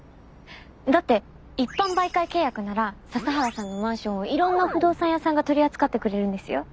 だって一般媒介契約なら笹原さんのマンションをいろんな不動産屋さんが取り扱ってくれるんですよ。